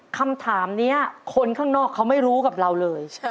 คำถามนี้คนข้างนอกเขาไม่รู้กับเราเลย